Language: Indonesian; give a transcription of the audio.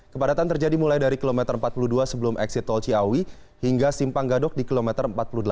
kepadatan terjadi mulai dari kilometer empat puluh dua sebelum exit tol ciawi hingga simpang gadok di kilometer empat puluh delapan